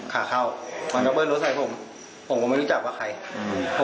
ขาเข้ามันก็เบิ้ลรถใส่ผมผมก็ไม่รู้จักว่าใครอืม